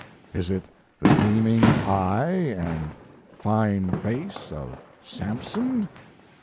Is it the gleaming eye and fine face of Samson?